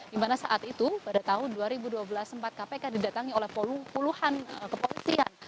di mana saat itu pada tahun dua ribu dua belas sempat kpk didatangi oleh puluhan kepolisian